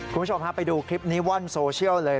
คุณผู้ชมฮะไปดูคลิปนี้ว่อนโซเชียลเลย